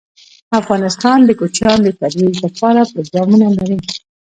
افغانستان د کوچیان د ترویج لپاره پروګرامونه لري.